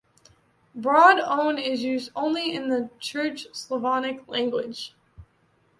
Broad On is used only in the Church Slavonic language.